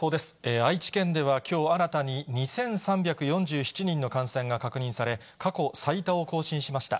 愛知県ではきょう新たに２３４７人の感染が確認され、過去最多を更新しました。